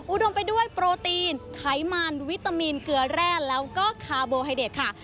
อุดมไปด้วยโปรตีนไขมันวิตามินเกลือแร่แล้วก็คาร์โบไฮเด็ดค่ะ